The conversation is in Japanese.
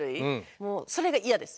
もうそれがイヤです。